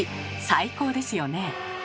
最高ですよね。